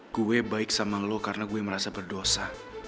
gue baik sama lo karena gue merasa berdosa